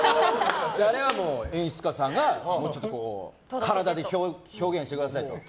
あれは演出家さんがもうちょっと体で表現してくださいと。